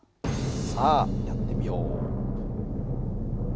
さあやってみよう。